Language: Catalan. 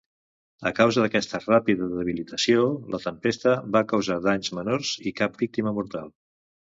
A causa d'aquesta ràpida debilitació, la tempesta va causar danys menors i cap víctima mortal.